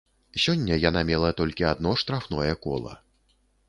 Сёння яна мела толькі адно штрафное кола.